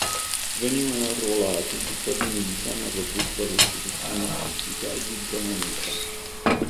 Venivano arruolati i cittadini di sana e robusta costituzione fisica e di giovane età.